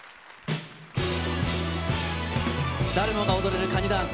誰もが踊れるカニダンス。